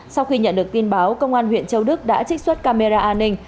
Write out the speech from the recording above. sau khi nhận được tin báo công an huyện châu đức đã trích xuất camera an ninh